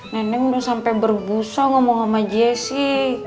nenek udah sampai berbusa ngomong sama jessy